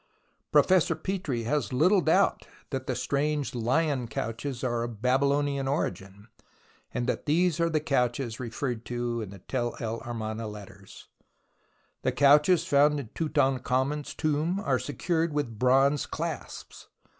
Professor Petrie has little doubt that the strange lion couches are of Babylonian origin, and that these are the couches referred to in the Tell el THE ROMANCE OF EXCAVATION 99 Amarna letters. The couches found in Tutankh amen's tomb are secured with bronze clasps.